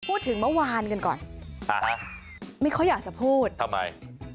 พูดถึงเมื่อวานกันก่อนอ่านี่เขาอยากจะพูดทำไม